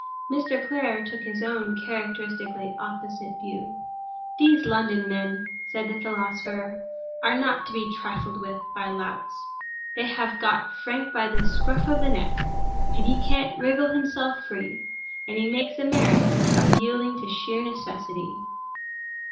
Mr. Clare took his own characteristically opposite view. "These London men," said the philosopher, "are not to be trifled with by louts. They have got Frank by the scruff of the neck—he can't wriggle himself free—and he makes a merit of yielding to sheer necessity."